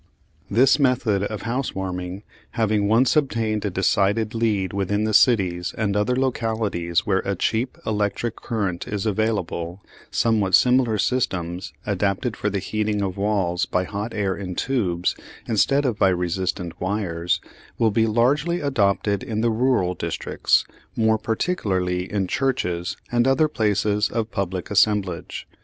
This method of house warming having once obtained a decided lead within the cities and other localities where a cheap electric current is available, somewhat similar systems, adapted for the heating of walls by hot air in tubes, instead of by resistant wires, will be largely adopted in the rural districts, more particularly in churches and other places of public assemblage.